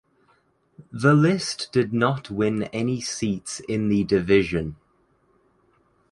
The list did not win any seats in the division.